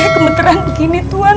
kebeneran begini tuhan